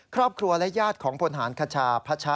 ครอบครัวและญาติของพลหารคชาพระชะ